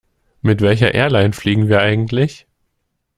Mit welcher Airline fliegen wir eigentlich?